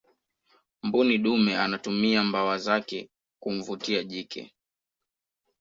mbuni dume anatumia mbawa zake kumvutia jike